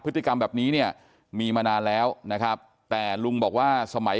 พฤติกรรมแบบนี้เนี่ยมีมานานแล้วนะครับแต่ลุงบอกว่าสมัย